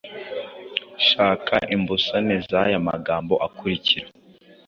Shaka imbusane z’aya amagambo akurikira